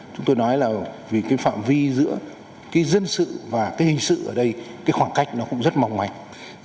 chúng tôi nói là vì phạm vi giữa dân sự và hình sự ở đây khoảng cách cũng rất mong mạnh